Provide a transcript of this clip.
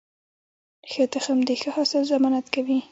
ښه تخم د ښه حاصل ضمانت کوي.